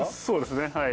そうですね。